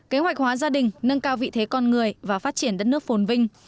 kế hoạch hóa gia đình nâng cao vị thế con người và phát triển đất nước phồn vinh